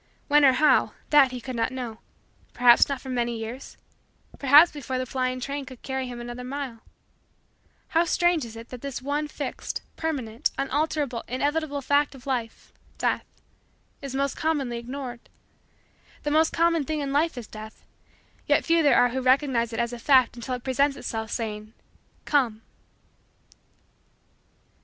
When or how; that, he could not know; perhaps not for many years; perhaps before the flying train could carry him another mile. How strange it is that this one fixed, permanent, unalterable, inevitable fact of Life Death is most commonly ignored. The most common thing in Life is Death; yet few there are who recognize it as a fact until it presents itself saying: "Come."